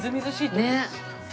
ねっ。